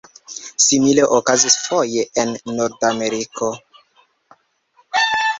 Simile okazis foje en Nordameriko.